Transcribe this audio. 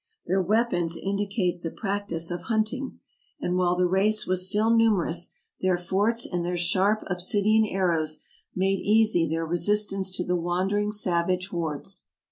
Their weapons indicate the prac tice of hunting, and while the race was still numerous their forts and their sharp obsidian arrows made easy their resist ance to the wandering savage hordes.